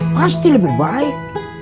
pasti lebih baik